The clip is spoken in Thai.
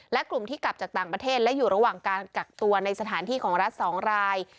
และกลุ่มที่กลับจากต่างประเทศและอยู่ระหว่างการกักตัวในสถานที่ของรัฐ๒ราย